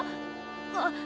あっ！